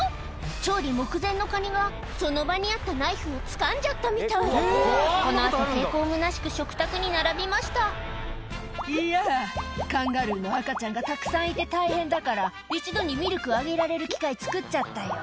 調理目前のカニがその場にあったナイフをつかんじゃったみたいこの後抵抗むなしく食卓に並びました「いやぁカンガルーの赤ちゃんがたくさんいて大変だから一度にミルクあげられる機械作っちゃったよ」